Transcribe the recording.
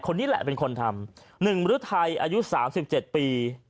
คนนี้แหละเป็นคนทำ๑บริษัทไทยอายุ๓๗ปี